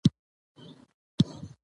عطایي د مطالعې پراخ ذوق درلود.